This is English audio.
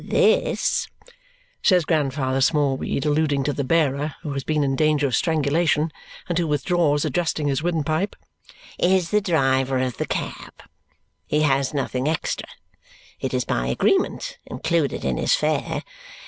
This," says Grandfather Smallweed, alluding to the bearer, who has been in danger of strangulation and who withdraws adjusting his windpipe, "is the driver of the cab. He has nothing extra. It is by agreement included in his fare.